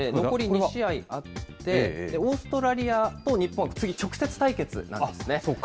残り２試合あって、オーストラリアと日本、次、直接対決なんですね。